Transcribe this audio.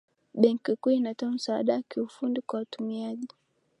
benki kuu inatoa msaada wa kiufundi kwa watumiaji